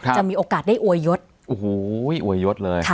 จะมีโอกาสได้โวยยดโหโวยยดเลย